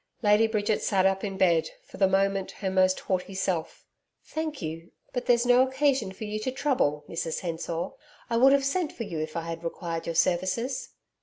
Lady Bridget sat up in bed, for the moment her most haughty self. 'Thank you; but there's no occasion for you to trouble, Mrs Hensor. I would have sent for you if I had required your services.'